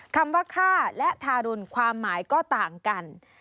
คำว่าฆ่าและทารุณความหมายก็ต่างกัน